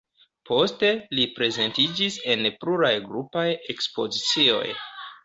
Poste li prezentiĝis en pluraj grupaj ekspozicioj.